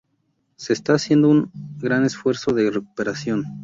se está haciendo un gran esfuerzo de recuperación